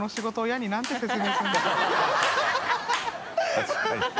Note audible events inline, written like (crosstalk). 確かに (laughs)